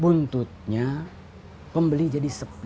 buntutnya pembeli jadi sepi